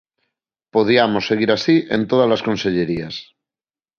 Podiamos seguir así en todas as consellerías.